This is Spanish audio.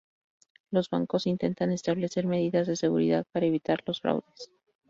Los bancos intentan establecer medidas de seguridad para evitar los fraudes.